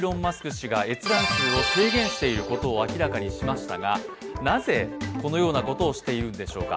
氏が閲覧数を制限していることを明らかにしましたがなぜこのようなことをしているんでしょうか。